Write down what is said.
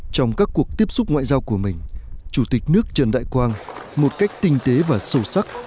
trong các cuộc tiếp xúc ngoại giao của mình chủ tịch nước trần đại quang một cách tinh tế và sâu sắc